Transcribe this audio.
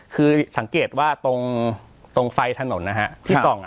คือสังเกตว่าตรงไฟถนนนะฮะที่ส่อง